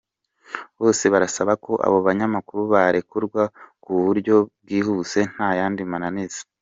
Bose barasaba ko abo banyamakuru barekurwa ku buryo bwihuse ntayandi mananiza.